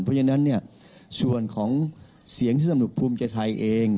เพราะฉะนั้นส่วนของเสียงที่สนุกภูมิใจไทยเอง